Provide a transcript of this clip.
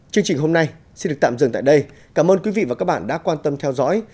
chương trình hôm nay xin được tạm dừng tại đây cảm ơn quý vị và các bạn đã quan tâm theo dõi